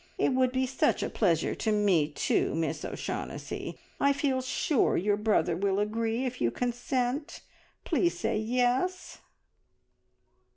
It would be such a pleasure to me too, Miss O'Shaughnessy. I feel sure your brother will agree, if you consent. Please say `Yes'!"